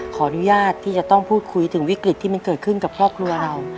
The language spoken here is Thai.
ขออนุญาตที่จะต้องพูดคุยถึงวิกฤตที่มันเกิดขึ้นกับครอบครัวเรา